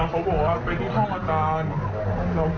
เอากระเป๋ามาบังใช่เนี่ยค่ะอย่างวันนี้ครูต้องรับตอบให้มาก